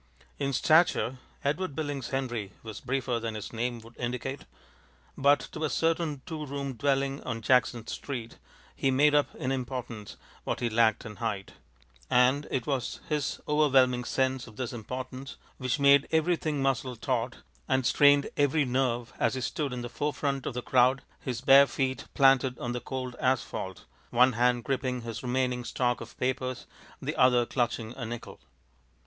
In stature Edward Billings Henry was briefer than his name would indicate, but to a certain two room dwelling on Jackson Street he made up in importance what he lacked in height; and it was his overwhelming sense of this importance which made every thin muscle taut and strained every nerve as he stood in the forefront of the crowd, his bare feet planted on the cold asphalt, one hand gripping his remaining stock of papers, the other clutching a nickel.